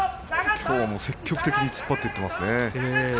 きょうも積極的に突っ張っていっていますね。